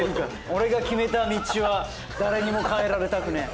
俺が決めた道は誰にも変えられたくねえ。